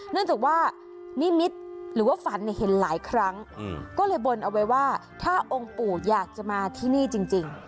เนื่องจากว่านิมิตรหรือว่าฝันเห็นหลายครั้งก็เลยบนเอาไว้ว่าถ้าองค์ปู่อยากจะมาที่นี่จริง